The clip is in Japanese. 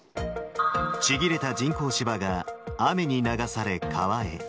ちぎれた人工芝が、雨に流され川へ。